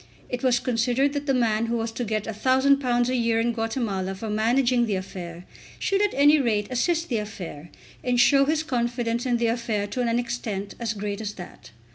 It was considered that the man who was to get £1000 a year in Guatemala for managing the affair, should at any rate assist the affair, and show his confidence in the affair to an extent as great as that.